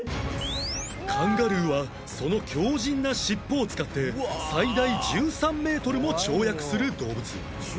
カンガルーはその強靱な尻尾を使って最大１３メートルも跳躍する動物